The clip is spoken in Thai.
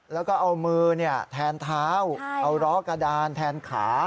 แล้วก็เอามือแทนเท้าเอาร้อกระดานแทนขา